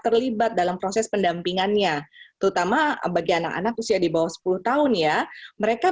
terlibat dalam proses pendampingannya terutama bagi anak anak usia di bawah sepuluh tahun ya mereka